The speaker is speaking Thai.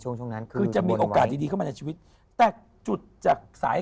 ช่วงช่วงนั้นคือจะมีโอกาสดีดีเข้ามาในชีวิตแต่จุดจากสาย